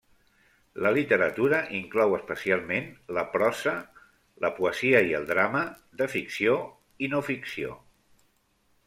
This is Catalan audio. La literatura inclou, especialment, la prosa, la poesia i el drama, de ficció i no-ficció.